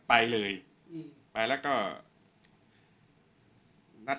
ช่างแอร์เนี้ยคือล้างหกเดือนครั้งยังไม่แอร์